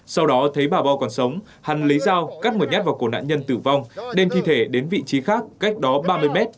sau đó thấy bà bo còn sống hắn lấy dao cắt một nhát vào cổ nạn nhân tử vong đem thi thể đến vị trí khác cách đó ba mươi mét